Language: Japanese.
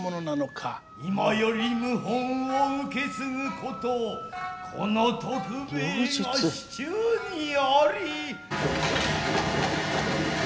今より謀反を受け継ぐことこの徳兵衛が手中にあり。